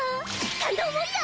感動もんや！